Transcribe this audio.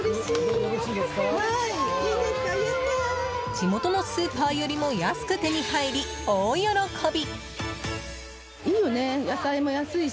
地元のスーパーよりも安く手に入り、大喜び。